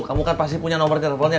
kamu kan pasti punya nomor telfonnya kan